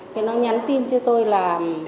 thế nó nhắn tin cho tôi là